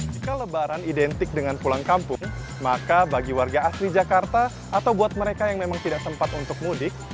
jika lebaran identik dengan pulang kampung maka bagi warga asli jakarta atau buat mereka yang memang tidak sempat untuk mudik